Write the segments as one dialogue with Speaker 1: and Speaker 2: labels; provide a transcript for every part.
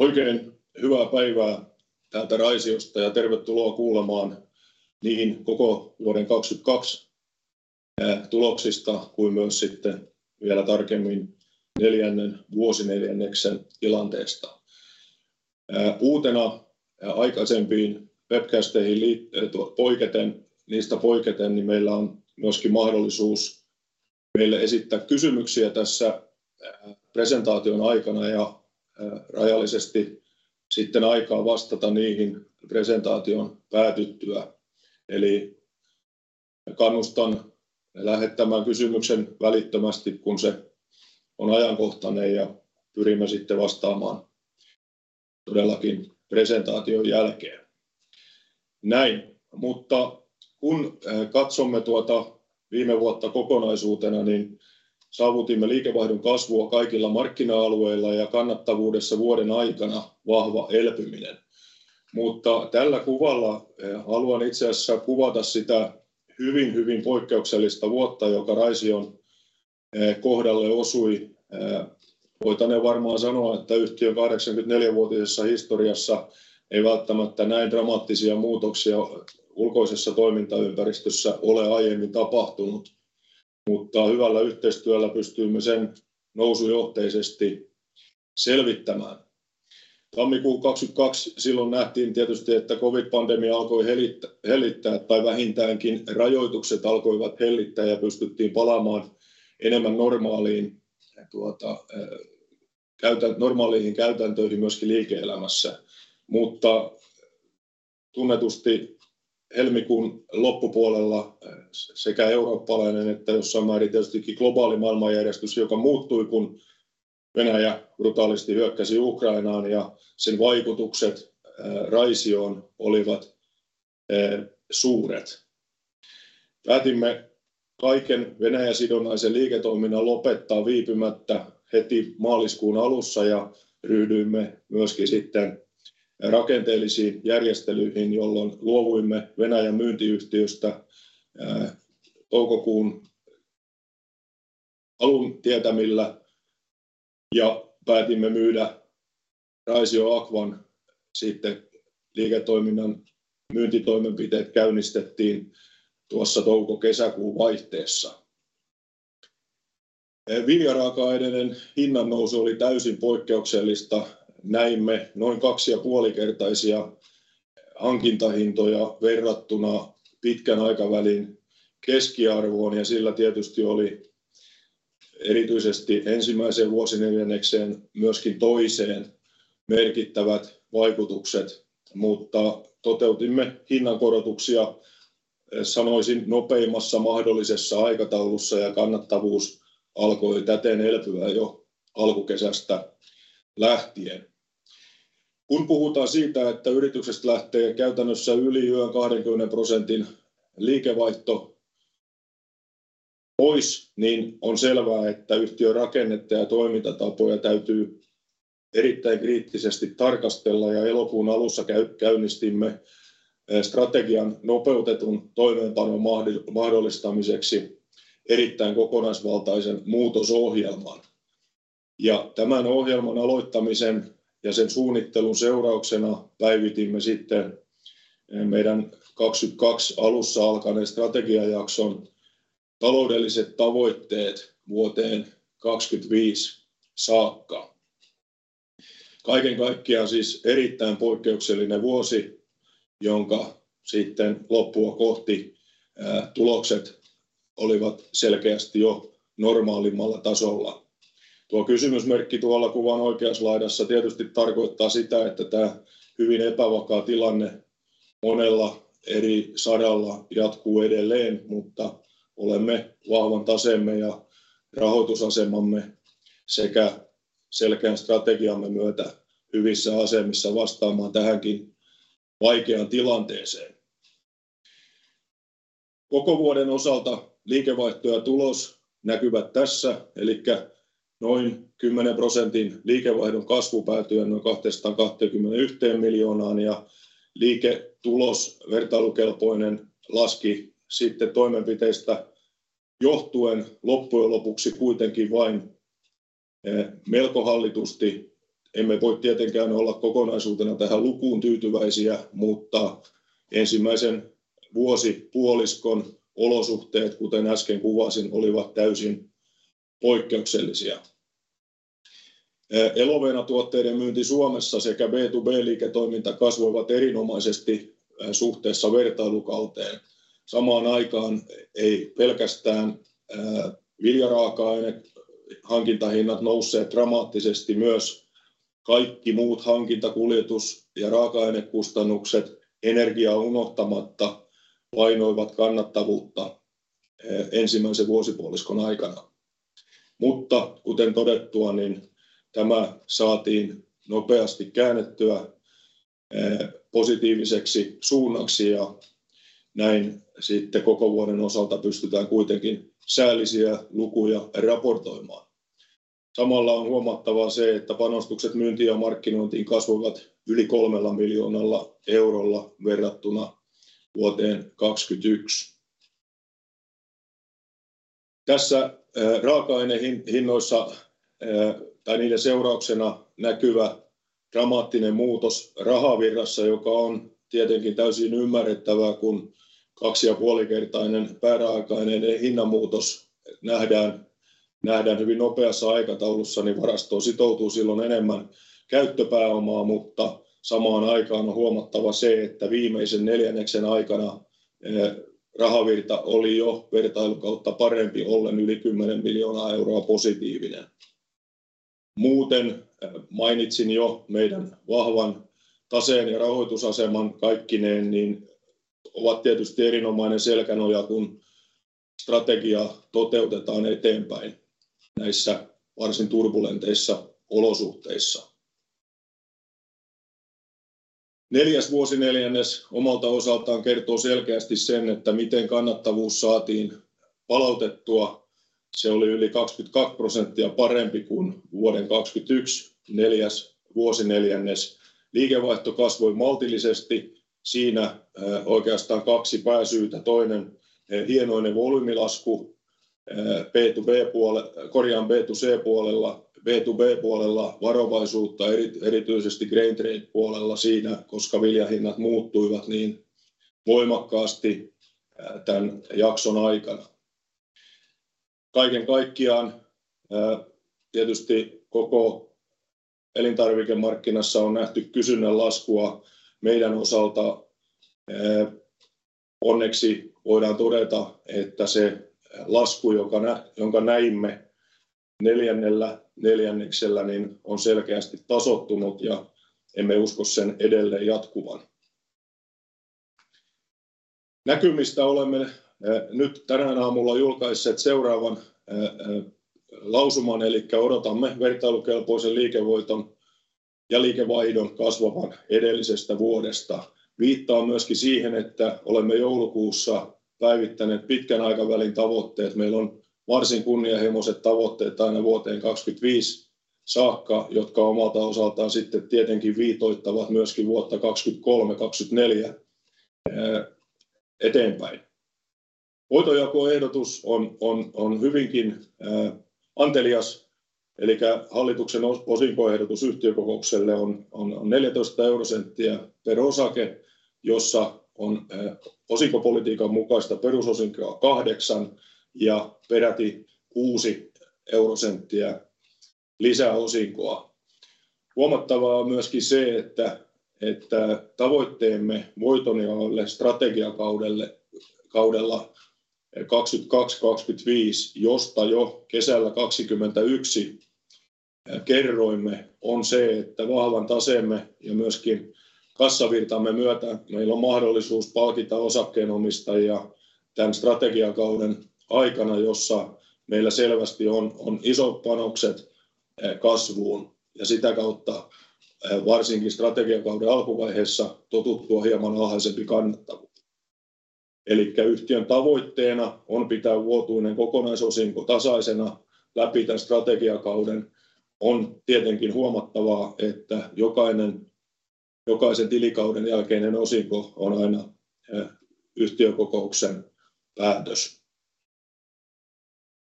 Speaker 1: Oikein hyvää päivää täältä Raisiosta ja tervetuloa kuulemaan niin koko vuoden 2022 tuloksista kuin myös sitten vielä tarkemmin neljännen vuosineljänneksen tilanteesta. Uutena aikaisempiin webcasteihin liittyy poiketen niistä, niin meillä on myöskin mahdollisuus meille esittää kysymyksiä tässä presentaation aikana ja rajallisesti sitten aikaa vastata niihin presentaation päätyttyä. Kannustan lähettämään kysymyksen välittömästi, kun se on ajankohtainen ja pyrimme sitten vastaamaan todellakin presentaation jälkeen. Näin, kun katsomme tuota viime vuotta kokonaisuutena, niin saavutimme liikevaihdon kasvua kaikilla markkina-alueilla ja kannattavuudessa vuoden aikana vahva elpyminen. Tällä kuvalla haluan itse asiassa kuvata sitä hyvin poikkeuksellista vuotta, joka Raision kohdalle osui. Voitaneen varmaan sanoa, että yhtiön 84-vuotisessa historiassa ei välttämättä näin dramaattisia muutoksia ulkoisessa toimintaympäristössä ole aiemmin tapahtunut, hyvällä yhteistyöllä pystyimme sen nousujohteisesti selvittämään. Tammikuu 2022. Silloin nähtiin tietysti, että COVID-pandemia alkoi hellittää tai vähintäänkin rajoitukset alkoivat hellittää ja pystyttiin palaamaan enemmän normaaliin käytäntöihin myöskin liike-elämässä. Tunnetusti helmikuun loppupuolella sekä eurooppalainen että jossain määrin tietystikin globaali maailmanjärjestys, joka muuttui, kun Venäjä brutaalisti hyökkäsi Ukrainaan ja sen vaikutukset Raisio olivat suuret. Päätimme kaiken Venäjä-sidonnaisen liiketoiminnan lopettaa viipymättä heti maaliskuun alussa ja ryhdyimme myöskin sitten rakenteellisiin järjestelyihin, jolloin luovuimme Venäjän myyntiyhtiöstä toukokuun alun tietämillä ja päätimme myydä Raisioaqua sitten. Liiketoiminnan myyntitoimenpiteet käynnistettiin tuossa touko kesäkuun vaihteessa. Viljaraaka-aineiden hinnannousu oli täysin poikkeuksellista. Näimme noin 2.5x hankintahintoja verrattuna pitkän aikavälin keskiarvoon, ja sillä tietysti oli erityisesti ensimmäiseen vuosineljännekseen, myöskin toiseen merkittävät vaikutukset. Toteutimme hinnankoro Elokuun alussa käynnistimme strategian nopeutetun toimeenpanon mahdollistamiseksi erittäin kokonaisvaltaisen muutosohjelman ja tämän ohjelman aloittamisen ja sen suunnittelun seurauksena päivitimme sitten meidän 2022 alussa alkaneen strategiajakson taloudelliset tavoitteet vuoteen 2025 saakka. Kaiken kaikkiaan siis erittäin poikkeuksellinen vuosi, jonka sitten loppua kohti tulokset olivat selkeästi jo normaalimmalla tasolla. Tuo kysymysmerkki tuolla kuvan oikeassa laidassa tietysti tarkoittaa sitä, että tämä hyvin epävakaa tilanne monella eri saralla jatkuu edelleen, mutta olemme vahvan taseemme ja rahoitusasemamme sekä selkeän strategiamme myötä hyvissä asemissa vastaamaan tähänkin vaikeaan tilanteeseen. Koko vuoden osalta liikevaihto ja tulos näkyvät tässä. Noin 10% liikevaihdon kasvu päätyen noin EUR 221 miljoonaan ja liiketulos vertailukelpoinen laski sitten toimenpiteistä johtuen loppujen lopuksi kuitenkin vain melko hallitusti. Emme voi tietenkään olla kokonaisuutena tähän lukuun tyytyväisiä, mutta ensimmäisen vuosipuoliskon olosuhteet, kuten äsken kuvasin, olivat täysin poikkeuksellisia. Elovena-tuotteiden myynti Suomessa sekä B2B-liiketoiminta kasvoivat erinomaisesti suhteessa vertailukauteen. Samaan aikaan ei pelkästään viljaraaka-aine hankintahinnat nousseet dramaattisesti, myös kaikki muut hankinta-, kuljetus- ja raaka-ainekustannukset energiaa unohtamatta painoivat kannattavuutta ensimmäisen vuosipuoliskon aikana, mutta kuten todettua, niin tämä saatiin nopeasti käännettyä positiiviseksi suunnaksi ja näin sitten koko vuoden osalta pystytään kuitenkin säällisiä lukuja raportoimaan. Samalla on huomattava se, että panostukset myyntiin ja markkinointiin kasvoivat yli EUR 3 million verrattuna vuoteen 2021. Tässä raaka-ainehinnoissa tai niiden seurauksena näkyvä dramaattinen muutos rahavirrassa, joka on tietenkin täysin ymmärrettävää, kun 2.5-kertainen pääraaka-aineiden hinnanmuutos nähdään hyvin nopeassa aikataulussa, niin varastoon sitoutuu silloin enemmän käyttöpääomaa, mutta samaan aikaan on huomattava se, että viimeisen neljänneksen aikana rahavirta oli jo vertailukautta parempi ollen yli EUR 10 million positiivinen. Muuten mainitsin jo meidän vahvan taseen ja rahoitusaseman kaikkineen, niin ovat tietysti erinomainen selkänoja, kun strategiaa toteutetaan eteenpäin näissä varsin turbulenteissa olosuhteissa. Neljäs vuosineljännes omalta osaltaan kertoo selkeästi sen, että miten kannattavuus saatiin palautettua. Se oli yli 22% parempi kuin vuoden 2021 Q4. Liikevaihto kasvoi maltillisesti. Siinä oikeastaan kaksi pääsyytä. Toinen hienoinen volyymilasku. Korjaan B2C puolella. B2B puolella varovaisuutta erityisesti grain trade puolella siinä, koska viljan hinnat muuttuivat niin voimakkaasti tän jakson aikana. Kaiken kaikkiaan tietysti koko elintarvikemarkkinassa on nähty kysynnän laskua meidän osalta. Onneksi voidaan todeta, että se lasku, jonka näimme Q4:llä niin on selkeästi tasoittunut ja emme usko sen edelleen jatkuvan. Näkymistä olemme nyt tänään aamulla julkaisseet seuraavan lausuman. Odotamme vertailukelpoisen liikevoiton ja liikevaihdon kasvavan edellisestä vuodesta. Viittaan myöskin siihen, että olemme joulukuussa päivittäneet pitkän aikavälin tavoitteet. Meillä on varsin kunnianhimoiset tavoitteet aina vuoteen 2025 saakka, jotka omalta osaltaan sitten tietenkin viitoittavat myöskin vuotta 2023, 2024 eteenpäin. Voitojakoehdotus on hyvinkin antelias. Hallituksen osinkoehdotus yhtiökokoukselle on EUR 0.14 per osake, jossa on osinkopolitiikan mukaista perusosinkoa EUR 0.08 ja peräti EUR 0.06 lisäosinkoa. Huomattavaa on myöskin se, että tavoitteemme voitonjaolle strategiakaudelle kaudella 2022, 2025, josta jo kesällä 2021 kerroimme, on se, että vahvan taseemme ja myöskin kassavirtamme myötä meillä on mahdollisuus palkita osakkeenomistajia tän strategiakauden aikana, jossa meillä selvästi on isot panokset kasvuun ja sitä kautta varsinkin strategiakauden alkuvaiheessa totuttua hieman alhaisempi kannattavuus. Elikkä yhtiön tavoitteena on pitää vuotuinen kokonaisosinko tasaisena läpi tän strategiakauden. On tietenkin huomattavaa, että jokaisen tilikauden jälkeinen osinko on aina yhtiökokouksen päätös.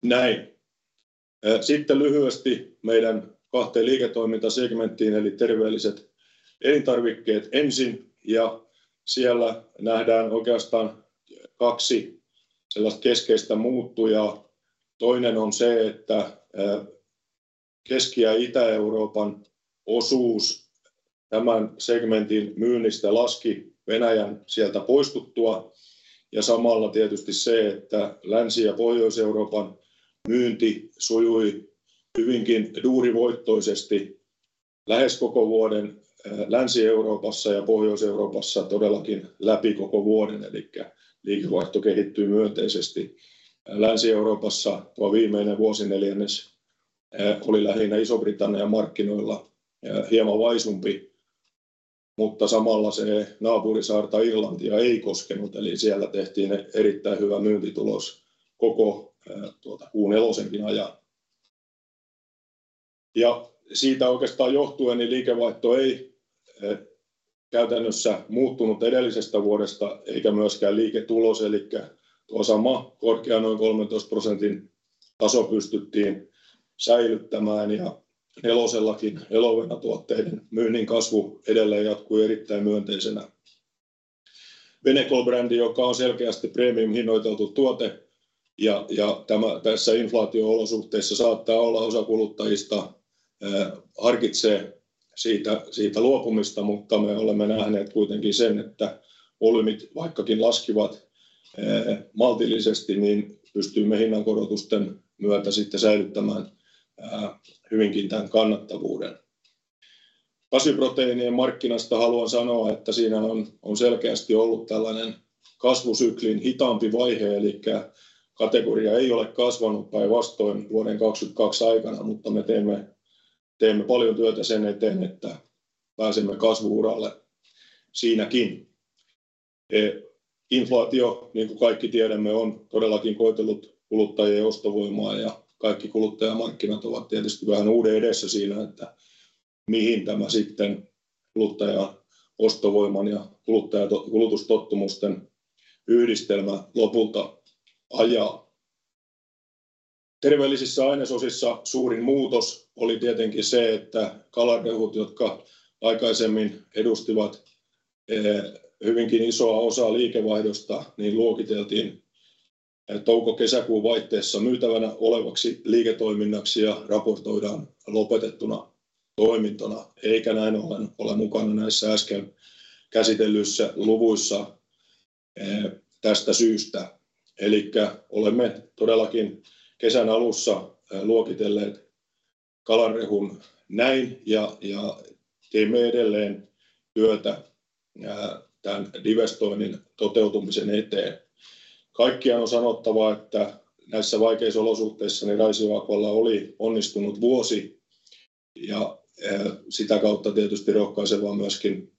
Speaker 1: Näin. Sitten lyhyesti meidän kahteen liiketoimintasegmenttiin eli Terveelliset elintarvikkeet ensin ja siellä nähdään oikeastaan kaksi sellaista keskeistä muuttujaa. Toinen on se, että Keski- ja Itä-Euroopan osuus tämän segmentin myynnistä laski Venäjän sieltä poistuttua ja samalla tietysti se, että Länsi- ja Pohjois-Euroopan myynti sujui hyvinkin duurivoittoisesti lähes koko vuoden Länsi-Euroopassa ja Pohjois-Euroopassa todellakin läpi koko vuoden. Elikkä liikevaihto kehittyi myönteisesti Länsi-Euroopassa. Tuo viimeinen vuosineljännes oli lähinnä Iso-Britannian markkinoilla hieman vaisumpi, mutta samalla se naapurisaarta Irlantia ei koskenut. Siellä tehtiin erittäin hyvä myyntitulos koko tuota Q4:nkin ajan. Siitä oikeastaan johtuen liikevaihto ei käytännössä muuttunut edellisestä vuodesta eikä myöskään liiketulos. Tuo sama korkea noin 13% taso pystyttiin säilyttämään ja nelosellakin Elovena-tuotteiden myynnin kasvu edelleen jatkui erittäin myönteisenä. Benecol-brändi, joka on selkeästi premium hinnoiteltu tuote ja tämä tässä inflaatio-olosuhteissa saattaa olla osa kuluttajista harkitsee siitä luopumista, mutta me olemme nähneet kuitenkin sen, että volyymit, vaikkakin laskivat maltillisesti, niin pystymme hinnankorotusten myötä sitten säilyttämään hyvinkin tän kannattavuuden. Kasviproteiinien markkinasta haluan sanoa, että siinä on selkeästi ollut tällainen kasvusyklin hitaampi vaihe, kategoria ei ole kasvanut, päinvastoin vuoden 2022 aikana, mutta me teemme paljon työtä sen eteen, että pääsemme kasvu-uralle siinäkin. Inflaatio, niin kuin kaikki tiedämme, on todellakin koetellut kuluttajien ostovoimaa ja kaikki kuluttajamarkkinat ovat tietysti vähän uuden edessä siinä. Mihin tämä sitten kuluttajan ostovoiman ja kuluttajan kulutustottumusten yhdistelmä lopulta ajaa? terveellisissä ainesosissa suurin muutos oli tietenkin se, että kalarehut, jotka aikaisemmin edustivat hyvinkin isoa osaa liikevaihdosta, niin luokiteltiin touko kesäkuun vaihteessa myytävänä olevaksi liiketoiminnaksi ja raportoidaan lopetettuna toimintona, eikä näin ollen ole mukana näissä äsken käsitellyissä luvuissa tästä syystä. Olemme todellakin kesän alussa luokitelleet kalarehun näin ja teemme edelleen työtä tän divestoinnin toteutumisen eteen. Kaikkiaan on sanottava, että näissä vaikeissa olosuhteissa Raisio Groupilla oli onnistunut vuosi ja sitä kautta tietysti rohkaisen vaan myöskin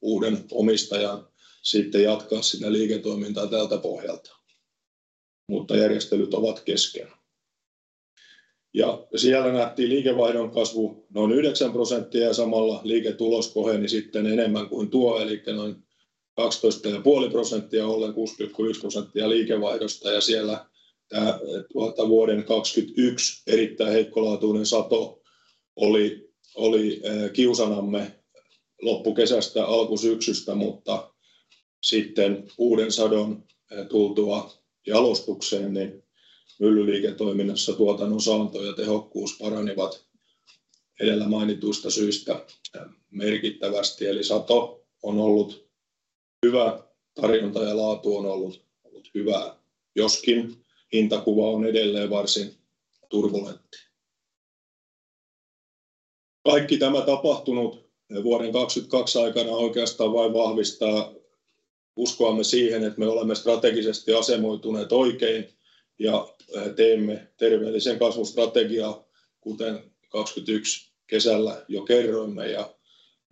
Speaker 1: uuden omistajan sitten jatkaa sitä liiketoimintaa tältä pohjalta. Järjestelyt ovat kesken. Siellä nähtiin liikevaihdon kasvu noin 9% ja samalla liiketulos koheni sitten enemmän kuin tuo, elikkä noin 12.5% ollen 6.1% liikevaihdosta. Siellä tää 2021 erittäin heikkolaatuinen sato oli kiusanamme loppukesästä alkusyksystä, mutta sitten uuden sadon tultua jalostukseen, niin myllyliiketoiminnassa tuotannon saanto ja tehokkuus paranivat edellä mainituista syistä merkittävästi. Sato on ollut hyvä. Tarjonta ja laatu on ollut hyvää, joskin hintakuva on edelleen varsin turbulentti. Kaikki tämä tapahtunut 2022 aikana oikeastaan vain vahvistaa uskoamme siihen, että me olemme strategisesti asemoituneet oikein ja teemme terveellisen kasvun strategiaa, kuten 2021 kesällä jo kerroimme ja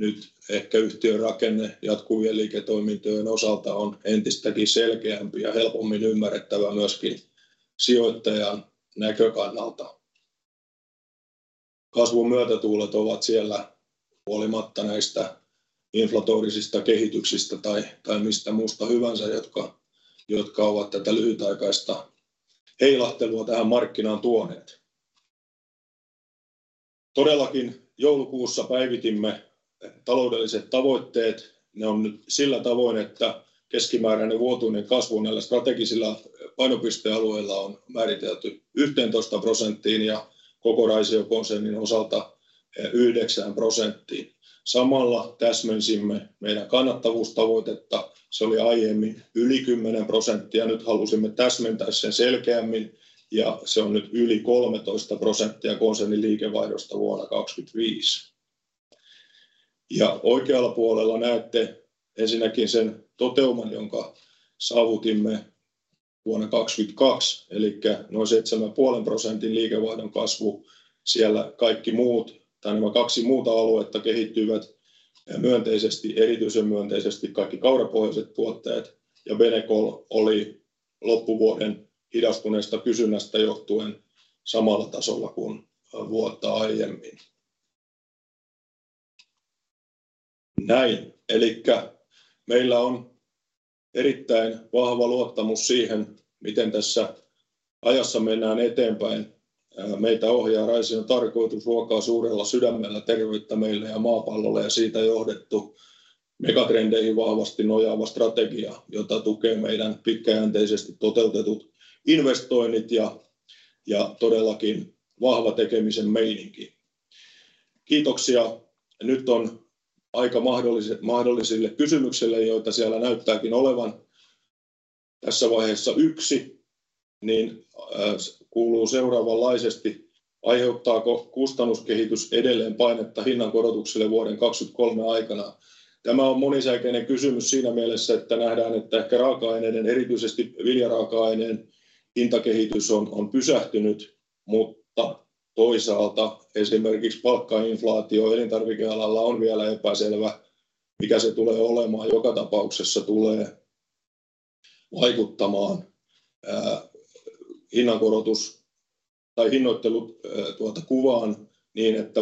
Speaker 1: nyt ehkä yhtiön rakenne jatkuvien liiketoimintojen osalta on entistäkin selkeämpi ja helpommin ymmärrettävä myöskin sijoittajan näkökannalta. Kasvun myötätuulet ovat siellä huolimatta näistä inflatorisista kehityksistä tai mistä muusta hyvänsä, jotka ovat tätä lyhytaikaista heilahtelua tähän markkinaan tuoneet. Todellakin joulukuussa päivitimme taloudelliset tavoitteet. Ne on nyt sillä tavoin, että keskimääräinen vuotuinen kasvu näillä strategisilla painopistealueilla on määritelty 11% ja koko Raisio-konsernin osalta 9%. Samalla täsmensimme meidän kannattavuustavoitetta. Se oli aiemmin yli 10%. Nyt halusimme täsmentää sen selkeämmin ja se on nyt yli 13% konsernin liikevaihdosta vuonna 2025. Oikealla puolella näette ensinnäkin sen toteuman, jonka saavutimme vuonna 2022. Elikkä noin 7.5% liikevaihdon kasvu. Siellä kaikki muut tai nämä kaksi muuta aluetta kehittyivät myönteisesti. Erityisen myönteisesti kaikki kaurapohjaiset tuotteet ja Benecol oli loppuvuoden hidastuneesta kysynnästä johtuen samalla tasolla kuin vuotta aiemmin. Näin. Elikkä meillä on erittäin vahva luottamus siihen, miten tässä ajassa mennään eteenpäin. Meitä ohjaa Raision tarkoitus ruokaa suurella sydämellä terveittä meille ja maapallolle ja siitä johdettu megatrendeihin vahvasti nojaava strategia, jota tukee meidän pitkäjänteisesti toteutetut investoinnit ja todellakin vahva tekemisen meininki. Kiitoksia! Nyt on aika mahdollisille kysymyksille, joita siellä näyttääkin olevan tässä vaiheessa yksi. Niin, kuuluu seuraavanlaisesti. Aiheuttaako kustannuskehitys edelleen painetta hinnankorotuksille vuoden 2023 aikana? Tämä on monisäikeinen kysymys siinä mielessä, että nähdään, että ehkä raaka-aineiden, erityisesti viljaraaka-aineen hintakehitys on pysähtynyt, mutta toisaalta esimerkiksi palkkainflaatio elintarvikealalla on vielä epäselvä, mikä se tulee olemaan. Joka tapauksessa tulee vaikuttamaan hinnankorotus tai hinnoittelu tuota kuvaan niin, että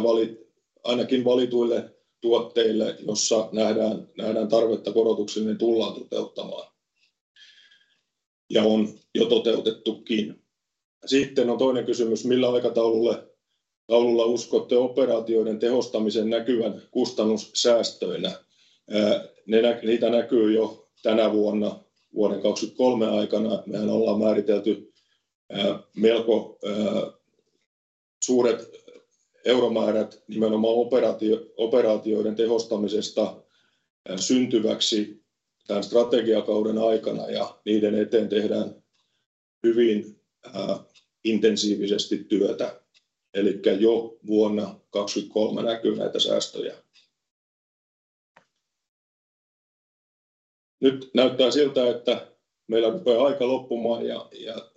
Speaker 1: ainakin valituille tuotteille, jossa nähdään tarvetta korotuksille, niin tullaan toteuttamaan. On jo toteutettukin. On toinen kysymys. Millä aikataululle taululla uskotte operaatioiden tehostamisen näkyvän kustannussäästöinä? Niitä näkyy jo tänä vuonna vuoden 2023 aikana. Mehän ollaan määritelty melko suuret euromäärät nimenomaan operaatioiden tehostamisesta syntyväksi tän strategiakauden aikana ja niiden eteen tehdään hyvin intensiivisesti työtä. Jo vuonna 2023 näkyy näitä säästöjä. Nyt näyttää siltä, että meillä rupeaa aika loppumaan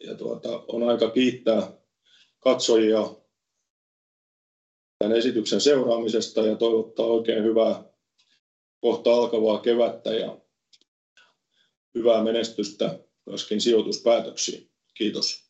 Speaker 1: ja tuota on aika kiittää katsojia tän esityksen seuraamisesta ja toivottaa oikein hyvää kohta alkavaa kevättä ja hyvää menestystä myöskin sijoituspäätöksiin. Kiitos!